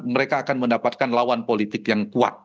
mereka akan mendapatkan lawan politik yang kuat